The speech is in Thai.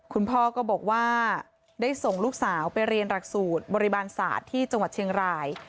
คุณพ่อก็บอกว่าได้ส่งลูกสาวไปเรียนหลักสูตรบริบาลศาสตร์ที่จังหวัดเชียงราย